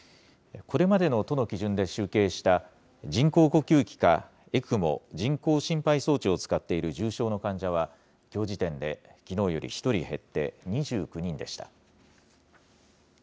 これまでの都の基準で集計した人工呼吸器か、ＥＣＭＯ・人工心肺装置を使っている重症の患者は、きょう時点で、きのうより１人減って、２９人でした。